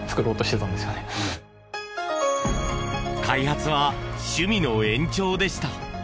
開発は趣味の延長でした。